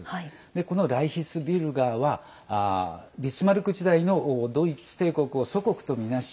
このライヒスビュルガーはビスマルク時代のドイツ帝国を祖国とみなし